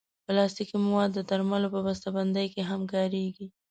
پلاستيکي مواد د درملو په بستهبندۍ کې هم کارېږي.